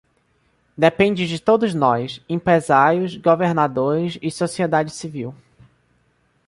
Depende de todos nós, empresários, governadores e sociedade civil.